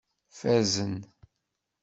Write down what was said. Fazen.